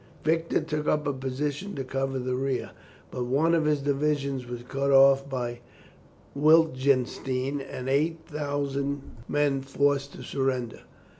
Victor took up a position to cover the rear, but one of his divisions was cut off by Wittgenstein, and eight thousand men forced to surrender.